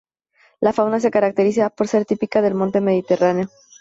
La fauna se caracteriza por ser típica del monte mediterráneo.